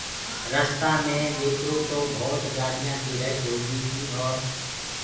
رستآ مي ديکرو تو ڀوتَ گآڏيآنٚ ڪي رش هوگيٚ تيٚ اور